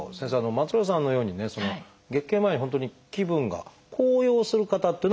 松浦さんのようにね月経前本当に気分が高揚する方っていうのは多いんですか？